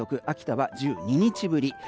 秋田は１２日ぶり